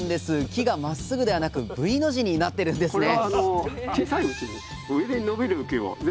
木がまっすぐではなくＶの字になってるんですね